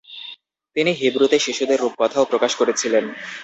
তিনি হিব্রুতে শিশুদের রূপকথাও প্রকাশ করেছিলেন।